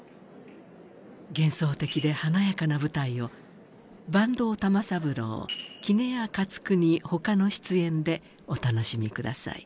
幻想的で華やかな舞台を坂東玉三郎杵屋勝国ほかの出演でお楽しみください。